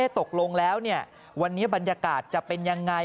ตกลงแล้ววันนี้บรรยากาศจะเป็นยังไง